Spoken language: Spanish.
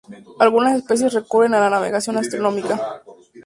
Algunas especies recurren a la navegación astronómica.